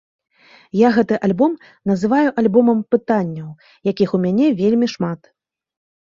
Я гэты альбом называю альбомам пытанняў, якіх у мяне вельмі шмат.